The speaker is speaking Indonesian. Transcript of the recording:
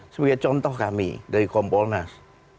sebagai contoh kami dari kompolnas